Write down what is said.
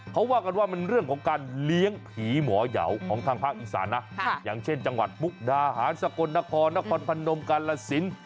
เขาว่ากันว่ามันเรื่องของการเลี้ยงผีหมอยาวของทางภาคอีสานนะอย่างเช่นจังหวัดมุกดาหารสกลนครนครพนมกาลสิน